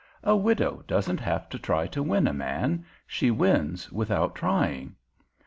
A widow doesn't have to try to win a man; she wins without trying.